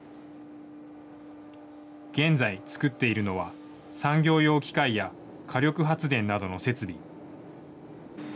現在、作っているのは産業用機械や火力発電などの設備。